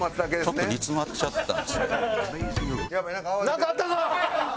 なんかあったぞ！